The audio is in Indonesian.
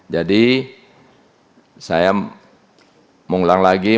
jadi saya mengulang lagi